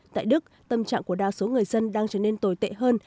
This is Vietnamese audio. tại đức tâm trạng của đa số người dân đang trở nên tồi tệ hơn